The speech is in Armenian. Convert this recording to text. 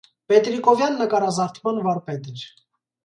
Պետրիկովյան նկարազարդման վարպետ էր։